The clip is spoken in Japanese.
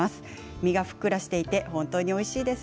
身がふっくらしていて本当においしいです。